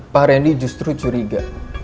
pak randy justru curiga